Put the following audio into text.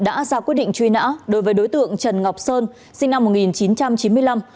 đã ra quyết định truy nã đối với đối tượng trần ngọc sơn sinh năm một nghìn chín trăm chín mươi năm